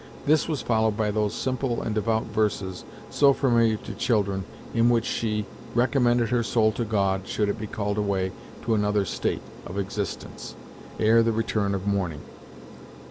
This was followed by those simple and devout verses, so familiar to children, in which she recommended her soul to God, should it be called away to another state of existence, ere the return of morning.